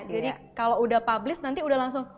jadi kalau udah publish nanti udah langsung